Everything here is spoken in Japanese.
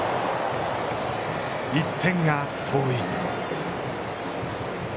１点が遠い。